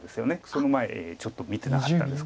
その前ちょっと見てなかったんです。